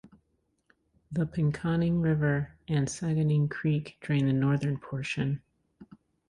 The Pinconning River and Saganing Creek drain the northern portion.